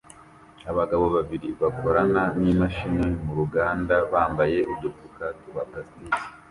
Abagabo babiri bakorana n'imashini mu ruganda bambaye udufuka twa plastike